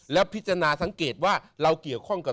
แล้วพิจารณาสังเกตว่าเราเกี่ยวข้องกับ